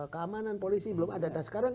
keamanan polisi belum ada